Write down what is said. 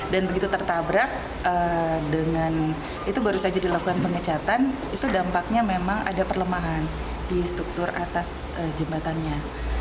dan begitu tertabrak itu baru saja dilakukan pengecatan itu dampaknya memang ada perlemahan di struktur atas jembatannya